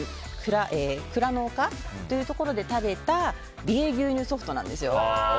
い「倉の丘」というところで食べた美瑛牛乳ソフトなんですよ。